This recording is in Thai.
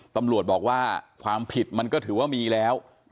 ตำรวจบอกว่าความผิดมันก็ถือว่ามีแล้ว